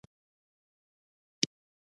ګلاب د خوشحالۍ پیغام دی.